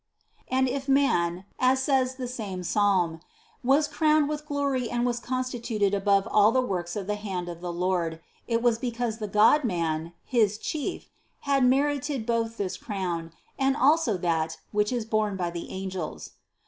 61. And if man, as says the same psalm, was crowned with glory and was constituted above all the works of the hand of the Lord, it was because the Godman, his Chief, had merited both this crown, and also that, which is borne by the angels.